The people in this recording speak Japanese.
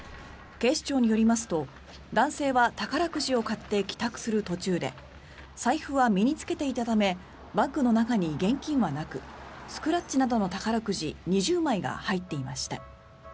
警視庁によりますと、男性は宝くじを買って帰宅する途中で財布は身に着けていたためバッグの中に現金はなくスクラッチなどの宝くじ２０枚が入っていました。